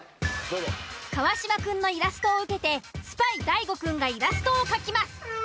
川島くんのイラストを受けてスパイ大悟くんがイラストを描きます。